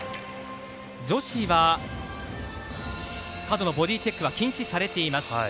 女子は過度なボディーチェックは禁止されています。